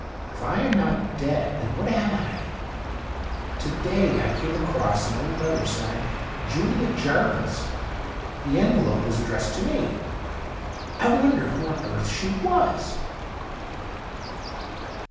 If I am not dead, then what am I ? To day I came across an old letter signed ' JuHa Jarvis '; the envelope was addressed to me. I wonder who on earth she was